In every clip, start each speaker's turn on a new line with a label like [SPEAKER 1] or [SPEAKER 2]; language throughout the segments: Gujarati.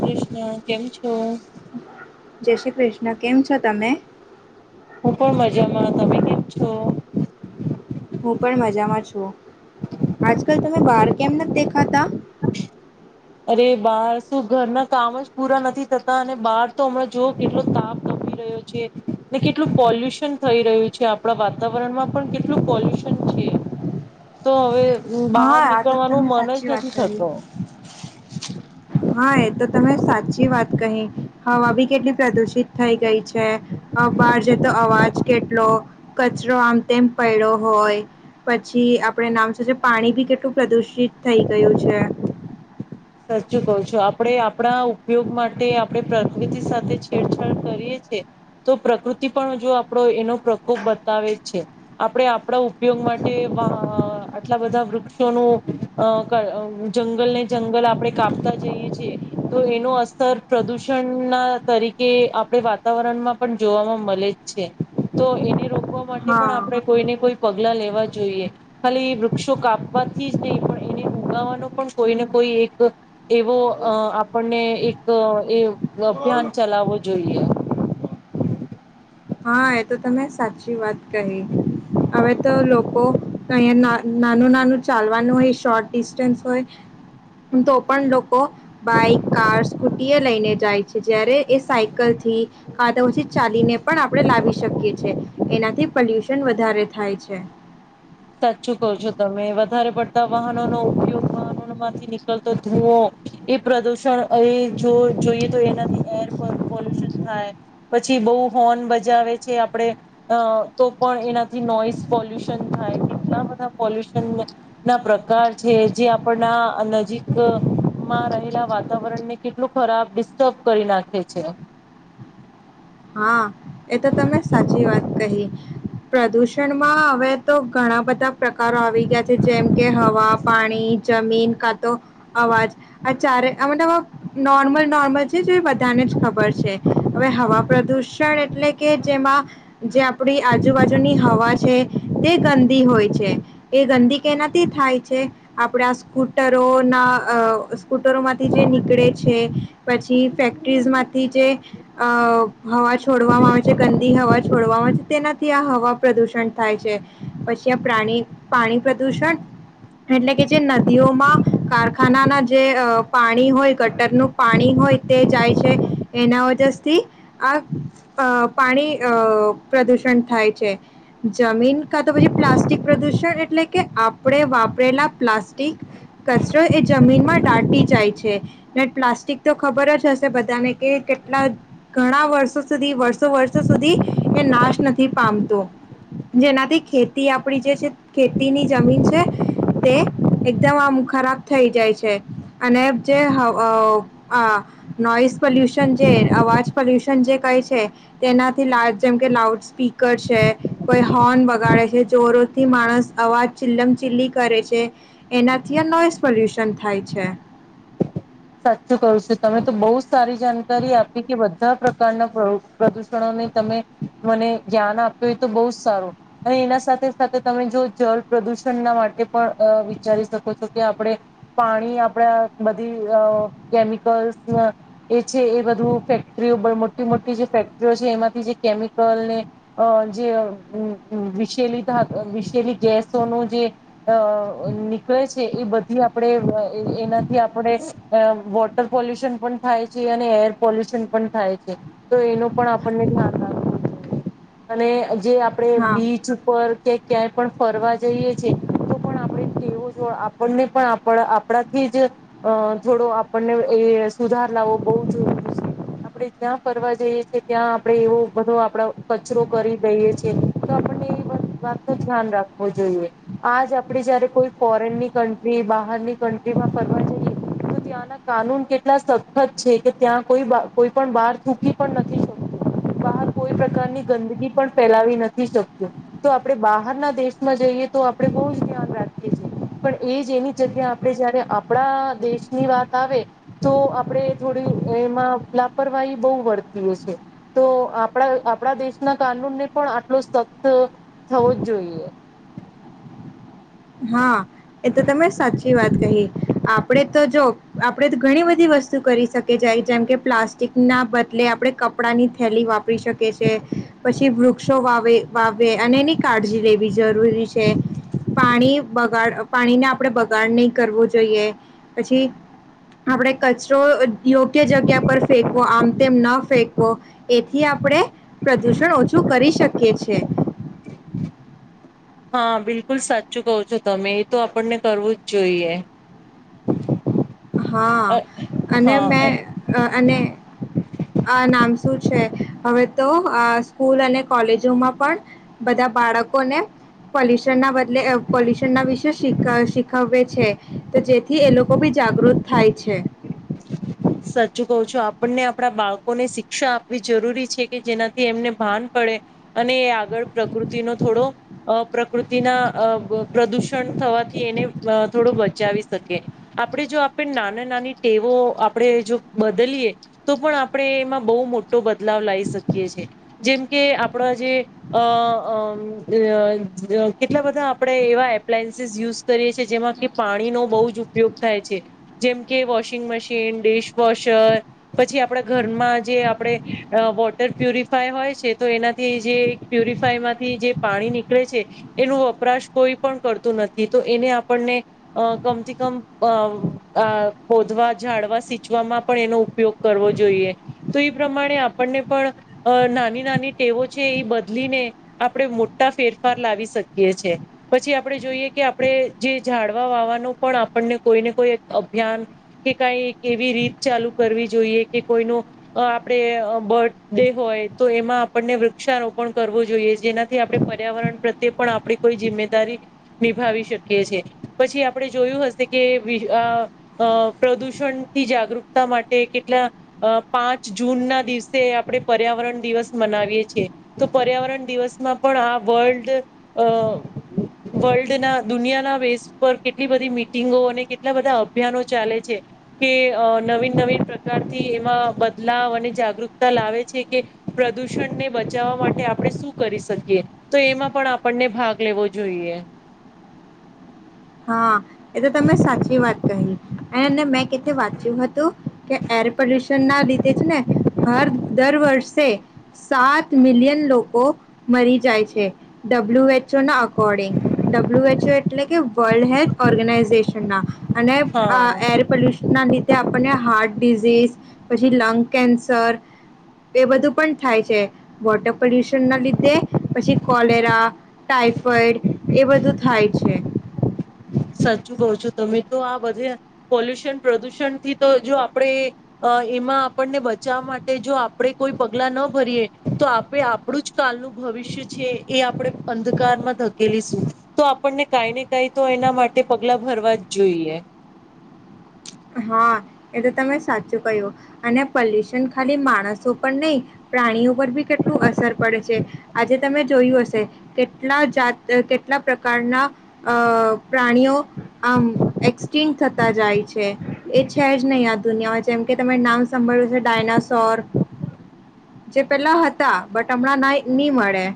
[SPEAKER 1] કૃષ્ણ, કેમ છો?
[SPEAKER 2] જય શ્રી કૃષ્ણ, કેમ છો તમે?
[SPEAKER 1] હું પણ મજામાં. તમે કેમ છો?
[SPEAKER 2] હું પણ મજામાં છું. આજકાલ તમે બાર કેમ નથ દેખાતા?
[SPEAKER 1] [inaudible] અરે, બહાર શું ઘરના કામ જ પૂરા નથી થતા અને બહાર તો હમણાં જોવ કેટલો તાપ ગમી રહ્યો છે. ને કેટલું પોલ્યુશન થઈ રહ્યું છે, આપણા વાતાવરણમાં પણ કેટલું પોલ્યુશન છે. તો હવે અમ
[SPEAKER 2] હા
[SPEAKER 1] બહાર
[SPEAKER 2] આ તો
[SPEAKER 1] નીકળવાનું
[SPEAKER 2] તમે
[SPEAKER 1] મન જ
[SPEAKER 2] સાચી વાત
[SPEAKER 1] નથી
[SPEAKER 2] કહી
[SPEAKER 1] થતું.
[SPEAKER 2] હા, એ તો તમે સા સાચી વાત કહી. હવાભી કેટલી પ્રદુષિત થઈ ગઈ છે. બહાર જતો અવાજ કેટલો. કચરો આમ તેમ પૈડો હોય પછી આપડ નામ શું છે? પાણી ભી કેટલું પ્રદુષિત થઈ ગયું છે.
[SPEAKER 1] સાચું કું છું આપડે આપણા ઉપયોગ માટે આપણે પ્રકૃતિ સાથે છેડછાડ કરીએ છીએ તો પ્રકૃતિ પણ જો આપડો એનો પ્રકોપ બતાવે છે. આપણે આપણા ઉપયોગ માટે આટલા બધા વૃક્ષોનું અ જંગલ ને જંગલ આપણે કાપતા જઈએ છીએ તો એનો અસર પ્રદુષણ ના તરીકે આપણે વાતાવરણમાં પણ જોવામાં મળે જ છે તો એને રો માટે પણ
[SPEAKER 2] હા
[SPEAKER 1] આપડણે કોઈને કોઈ પગલા લેવા જોઈએ ખાલી એ વૃક્ષો કાપવાથી જ નહીં પણ એને ઉગાવાનો પણ કોઈને કોઈ એક એવો અ આપણને એક એ અભિયાન ચલાવવો જોઈએ.
[SPEAKER 2] હા, એ તો તમે સાચી વાત કહી. હવે તો લોકો અહીંયા ના નાનું-નાનું ચાલવાનું હોય શોર્ટ ડિસ્ટન્સ હોય તો પણ લોકો બાઈક, કાર, સ્કૂટી એ લઈને જાય છે જયારે એ સાયકલ થી કા તો પછી ચાલીને પણ આ આપણે લાવી શકીએ છીએ એનાથી પોલ્યુશન વધારે થાય છે.
[SPEAKER 1] સાચું કહો છો તમે વધારે પડતા વાહનોનો ઉપયોગ વાહનોમાંથી નીકળતો ધુઓ એ પ્રદુષણ એ જો જોઈએ તો એનાથી એર પોલ્યુશન થાય પછી બહુ હોર્ન બજાવે છે આપણે અ તો પણ એનાથી નોઈસ પોલ્યુશન થાય કેટલા બધા પોલ્યુશન ના પ્રકાર છે જે આપડા નજીકમાં રહેલા વાતાવરણને કેટલું ખરાબ ડિસ્ટર્બ કરી નાખે છે.
[SPEAKER 2] હા એ તો તને સાચી વાત કહી. પ્રદુષણમાં હવે તો ઘણા બધા પ્રકારો આવી ગયા છે જેમ કે હવા, પાણી જમીન કા તો અવાજ ચારે આમાં [unintelligible] નોર્મલ-નોર્મલ છે જો એ બધાને જ ખબર છે હવે હવા પ્રદૂષણ એટલે કે જેમાં જે આપડી આજુબાજુની હવા છે તે ગંદી હોય છે એ ગંદી કેનાથી થાય છે આપણે આ સ્કૂટરોના અ સ્કૂટરો માંથી જે નીકળે છે પછી ફેક્ટ્રીઝમાંથી જે અ હવા છોડ વામાં આવે છે ગંદી હવા છોડવામાં આવે છે તેનાથી આ હવા પ્રદુષણ થાય છે. પછી આ પ્રાણી પાણી પ્રદુષણ એટલે કે જે નદીઓમાં કારખાનાના જે પાણી હોય ગટરનું પાણી હોય તે જાય છે એના વજરથી આ અ પાણી અ પ્રદુષણ થાય છે જમીન કા તો પછી પ્લાસ્ટિક પ્રદુષણ એટલે કે આપડે વાપરેલા પ્લાસ્ટિક કચરો એ જમીનમાં દાટી જાય છે. પ્લાસ્ટિક તો ખબર જ હશે બધાને કે કેટલા ઘણા વર્ષો સુધી વર્ષો-વર્ષ સુધી એ નાશ નથી પામતું. જેનાથી ખેતી આપડી જે ખેતીની જમીન છે તે એકદમ આમ ખરાબ થઈ જાય છે અને જે હાવ અવ નોઇસ પોલ્યુશન જે અવાજ પોલ્યુશન જે કહે છે તેનાથી લા જેમ કે લાઉડ સ્પીકર છે, કોઈ હોર્ન બગાડે છે, જોરોથી માણસ અવાજ ચિલ્લમ-ચીલી કરે છે એનાથી નોઈસ પોલ્યુશન થાય છે.
[SPEAKER 1] સાચું કરું છું તમે તો બહુ સારી જાણકારી આપી કે બધા પ્રકારના પ્રદૂષણોને તમે મને ધ્યાન આપ્યું હોય તો બહુ જ સારું અને એના સાથે સાથે તમે જો જળ પ્રદુષણના માટે પણ વિચારી શકો છો કે આપણે પાણી આપણા બધી અવ કેમિકલ્સ એ છે એ બધું ફેક્ટરીઓ મોટી-મોટી જે ફેક્ટરીઓ છે એમાંથી જે કેમિકલને અ જે વિશેલી ધા વિશેલી ગેસો ન જે અ નીકળે છે એ બધી આપણે એનાથી આપણે અ વોટર પોલ્યુશન પણ થાય છે અને એર પોલ્યુશન પણ થાય છે તો એનું પણ આપણને ધ્યાન રાખવું જોઈએ અને જે આપડે
[SPEAKER 2] હા
[SPEAKER 1] બીચ ઉપર કે ક્યાંય પણ ફરવા જઈએ છે તો પણ આપણે તેવો આપણને પણ આપ આપણાથી જ અ થોડો આપણને એ સુધાર લાવવો બહુ જરૂરી છે આપણે જ્યાં ફરવા જઈએ છીએ ત્યાં આપણે એવો બધો આપો કચરો કરી દઈએ છીએ તો આપણને એ વાત ન ધ્યાન રાખવું જોઈએ આજ આપણે જયારે કોઈ ફોરેનની કન્ટ્રી બહારની કન્ટ્રીમાં ફરવા જઈએ તો ત્યાંના કાનૂન કેટલા સખત છે કે ત્યાં કોઈ કોઈ પણ બહાર થૂકી પણ નથી શકતું બહાર કોઈ પ્રકારની ગંદગી પણ ફેલાવી નથી શકતું તો આપણે બહારના દેશમાં જઈએ તો આપણે બહુ જ ધ્યાન રાખીએ છીએ પણ એ જ એની જગ્યા આપણે જયારે આપણા દેશ ની વાત આવે તો આપણેે થોડી એમાં લાપરવાહી બહુ વર્તી એ છે તો આપણા આપડા દેશના કાનૂન ને પણ આટલો સખત થવો જ જોઈએ.
[SPEAKER 2] હા એ તો તમે સાચી વાત કહી આપડે તો જો આપણે ઘણી બધી વસ્તુ કરી શકી જાય જેમ કે પ્લાસ્ટિક ના બદલે આપણે કપડાની થેલી વાપરી શકીએ છે પછી વૃક્ષો વાવે વાવે અને એની કાળજી લેવી જરૂરી છે. પાણી બગાડ પાણીને આપણેે બગાડ નહી કરવો જોઈએ પછી આપણે કચરો યોગ્ય જગ્યા પર ફેંકવો આમ તેમ ન ફેંકવો એથી આપણે પ્રદૂષણ ઓછું કરી શકીએ છે.
[SPEAKER 1] હા બિલકુલ સાચું કહો છો તમે એ તો આપણને કરવું જ જોઈએ.
[SPEAKER 2] હા અને
[SPEAKER 1] હા
[SPEAKER 2] મેં અને આ નામ તો છે હવે તો સ્કૂલ અને કોલેજોમાં પણ બધા બાળકોને પોલ્યુશન તેના બદલે પોલ્યુશન ના વિશે શીખ શીખવે છે. તે જેથી એ લોકો ભી જા ગૃત થાય છે.
[SPEAKER 1] સાચું કવ છું આપણને આપણા બાળકોને શિક્ષા આપવી જરૂરી છે કે જેનાથી એમને ભાન પડે અને એ આગળ પ્રકૃતિનો થોડો અ પ્રકૃતિના અ પ્રદૂષણ થવાથી એને થોડો બચાવી શકે આપણે જો આપણે નાના નાની ટેવો આપણે જો બદલીએ તો પણ આપણે એમાં બહુ મોટો બદલાવ લાઈ શકીએ છીએ જેમકે આપણા જે અ અ કેટલા બધા આપણે એવા એપ્લાયન્સીસ યુઝ કરીએ છીએ જેમાં કે પાણીનો બહુ જ ઉપયોગ થાય છે જેમ કે વોશ વશિંગ મશીન ડિશવોશર પછી આપણા ઘરમાં જે આપણે વોટર પ્યુરિફાય હોય છે તો એનાથી જે પ્યુરિફાયમાંથી જે પાણી નીકળે છે એનું વપરાશ કોઈ પણ કરતું નથી તો એને આપણને કમથી કમ અ આ કોધવા ઝાડવા સિંચવામાં પણ એનો ઉપયોગ કરવો જોઈએ તો એ પ્રમાણે આપણને પણ નાની નાની ટેવો છે એ બદલીને આપણે મોટા ફેરફાર લાવી શકીએ છે પછી આપણે જોઈએ કે આપણે જે ઝાડવા વાવાનું પણ આપણને કોઈને કોઈ અભિયાન કે કઈ એવી રીત ચાલુ કરવી જોઈએ કે કોઈનો આપણે બર્થ ડે હોય તો એમાં આપણને વૃક્ષારોપણ કરવું જોઈએ જેનાથી આપણે પર્યાવરણ પ્રત્યે પણ આપણી કોઈ જિમ્મેદારી નિભાવી શકીએ છીએ પછી આપણે જોયું હશે કે પ્રદૂષણથી જાગૃતતા માટે કેટલા પાંચ જૂન ના દિવસે આપણે પર્યાવરણ દિવસ મનાવીએ છીએ તો પર્યાવરણ દિવસમાં પણ આ વર્લ્ડ અ વર્લ્ડના દુનિયાના બેેઝ પર કેટલી બધી મીટિંગો અને કેટલા બધા અભિયાનો ચાલે છે કે નવીન નવીન પ્રકારથી એમાં બદલાવ અને જાગૃતતા લાવે છે કે પ્રદૂષણને બચાવવા માટે આપણે શું કરી શકીએ તો એમાં પણ આપણને ભાગ લેવો જોઈએ.
[SPEAKER 2] હા એ તો તમે સાચી વાત કહી એને મેં વાંચ્યું હતું કે એર પોલ્યુશન ના લીધે જ ને હર દર વર્ષે સાત મિલિયન લોકો મરી જાય છે ડબલ્યુ એચ ઓ ના અકોર્ડિંગ ડબ્લ્યુ એચ ઓ એટલે કે વર્લ્ડ હેલ્થ ઓર્ગેનાઈઝેશન ના અને અ
[SPEAKER 1] હા
[SPEAKER 2] એર પોલ્યુશન ના લીધે તે આપણને હાર્ટ ડિઝીઝ પછી લંગ કેન્સર એ બધું પણ થાય છે વોટર પોલ્યુશન ના લીધે પછી કોલેરા ટાઈફોઈડ એ બધું થાય છે.
[SPEAKER 1] સાચું કહુ છો તમે તો આ બધે પોલ્યુશન પ્રદુષણ થી તો જો આપણેે એમાં આપણને બચાવવા માટે જો આપણે કોઈ પગલા ન ભરીએ તો આપે આપણું જ કાલનું ભવિષ્ય છીએ આપણે અંધકારમાં ધકેલીશું તો આપણને કાંઈ ને કઈ તો એના માટે તે પગલા ભરવા જ જોઈએ.
[SPEAKER 2] હા એ તો તમે સાચું કહ્યું. અને પોલ્યુશન ખાલી માણસો પર નહીં, પ્રાણીઓ પર બી કેટલું અસર પડે છે. આજે તમે જોયું હશે, કેટલા જાત કેટલા પ્રકારના અહ પ્રાણીઓ આમ એક્સિંક થતા જાય છે. એ છે જ નહીં આ દુનિયામાં, જેમ કે તમે નામ સાભળ્યું છે ડાયનાસોર, જે પહેલા હતા બટ હમણાં ના ની મળે.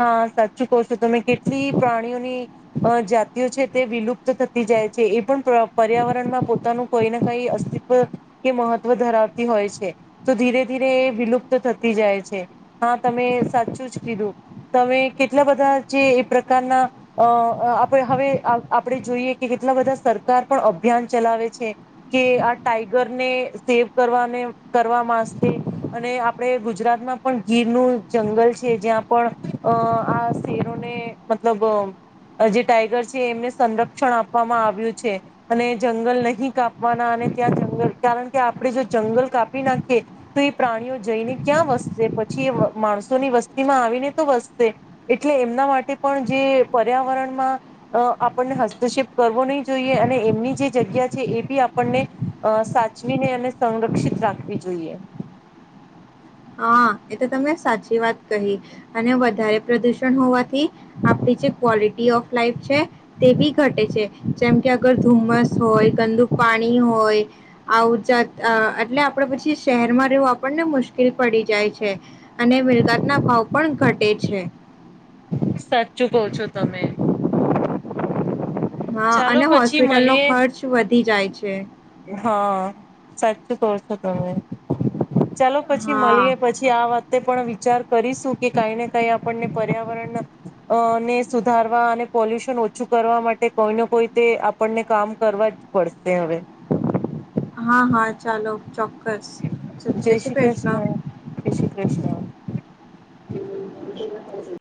[SPEAKER 1] હા સાચું કહો છો તમે, કેટલી પ્રાણીઓની અહ જાતિઓ છે તે વિલુપ્ત થતી જાય છે, એ પણ પ્ર પર્યાવરણમાં પોતાનું કોઈને કંઈ અસ્તિત્વ કે મહત્વ ધરાવતી હોય છે. તો ધીરે-ધીરે એ વિલુપ્ત થતી જાય છે. હા, તમે સાચું જ કીધું. તમે કેટલા બધા જે એ પ્રકારના અહ આપણે હવે આપણે જોઈએ કે કેટલા બધા સરકાર પણ અભિયાન ચલાવે છે કે આ ટાઈગરને સેવ કરવાને કરવા મા સે અને આપણે ગુજરાતમાં પણ ગીરનું જંગલ છે જ્યાં પણ અહ આ શેરોને મતલબ અહ જે ટાઈગર છે એમને સંરક્ષણ આપવામાં આવ્યું છે, અને જંગલ નહીં કાપવાના અને ત્યાં જંગલ કારણ કે આપણે જો જંગલ કાપી નાખીએ તો એ પ્રાણીઓ જઈને ક્યાં વસશે પછી એ માણસોની વસ્તી માં આવીને તો વસશે, એટલે એમના માટે પણ જે પર્યાવરણમાં અહ આપણને હસ્તક્ષેપ કરવો નહીં જોઈએ, અને એમની જે જગ્યા છે એ બી આપણને અહ સાચવીને અને સંરક્ષિત રાખવી જોઈએ.
[SPEAKER 2] હા. એ તો તમે સાચી વાત કહી. અને વધારે પ્રદુષણ હોવાથી આપડી જે ક્વોલિટી ઓફ લાઈફ છે તે બી ઘટે છે. જેમ કે અગર ધુમ્મસ હોય, ગંદુ પાણી હોય, આવજાત અહ એટલે આપડે પછી શહેરમાં રહેવું આપણને મુશ્કેલ કીલ પડી જાય છે, અને મિલકત ના ભાવ પણ ઘટે છે.
[SPEAKER 1] સાચું કહો છો તમે.
[SPEAKER 2] હા
[SPEAKER 1] ચાલો
[SPEAKER 2] અને
[SPEAKER 1] પછી
[SPEAKER 2] હોસ્પિટલ નો
[SPEAKER 1] મળીએ
[SPEAKER 2] ખર્ચ વધી જાય છે.
[SPEAKER 1] હા, સાચું કહો છો તમે. ચાલો પછી
[SPEAKER 2] હા,
[SPEAKER 1] મલીએ. પછી આ વાત તે પણ વિચાર કરીશું કે કાંઈ ને કાઈ આપણને પર્યાવરણના અને સુધારવા અને પોલ્યુશન ઓછું કરવા માટે કોઈને કોઈ તે આપણને કામ કરવા જ પડશે હવે.
[SPEAKER 2] હા, હા ચાલો [unintelligible]
[SPEAKER 1] જય શ્રી કૃષ્ણ, જય શ્રી કૃષ્ણ.
[SPEAKER 2] આવજો.